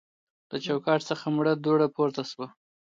له چوکاټ څخه مړه دوړه پورته شوه.